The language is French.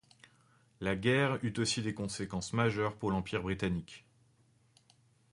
La guerre eut aussi des conséquences majeures pour l'Empire britannique.